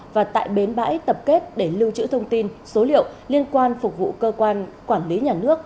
và tại bến bãi tập kết để lưu trữ thông tin số liệu liên quan phục vụ cơ quan quản lý nhà nước